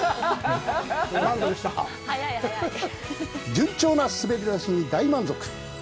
順調な滑り出しに大満足。